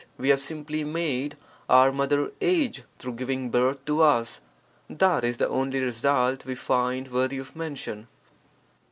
we have simply made our mother age through giving birth to us. That is the only result we find worthy of mention.